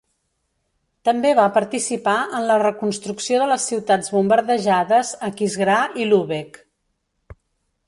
També va participar en la reconstrucció de les ciutats bombardejades Aquisgrà i Lübeck.